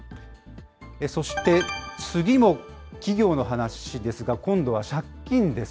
そして次も企業の話ですが、今度は借金です。